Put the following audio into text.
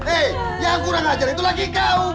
hei yang kurang ajar itu lagi kau